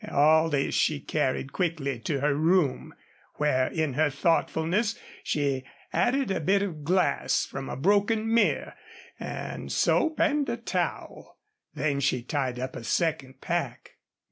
All this she carried quickly to her room, where in her thoughtfulness she added a bit of glass from a broken mirror, and soap and a towel. Then she tied up a second pack.